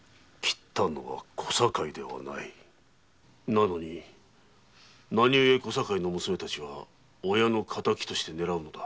なのに何ゆえ小堺の娘たちが親の敵として狙うのだ？